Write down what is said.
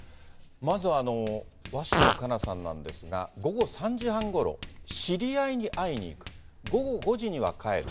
まず、鷲野花夏さんなんですが、午後３時半ごろ、知り合いに会いに行く、午後５時には帰る。